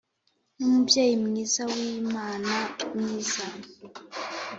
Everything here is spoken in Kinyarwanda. ni umubyeyi mwiza wimana mwiza